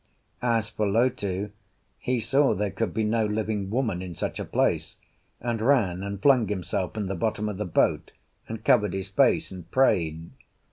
As for Lotu, he saw there could be no living woman in such a place, and ran, and flung himself in the bottom of the boat, and covered his face, and prayed.